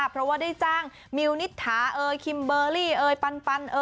เพราะว่าได้จ้างมิวนิทา